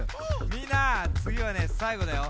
みんなつぎはねさいごだよ。